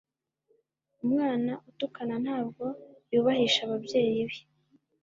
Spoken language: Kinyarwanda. umwana utukana ntabwo yubahisha ababyeyi be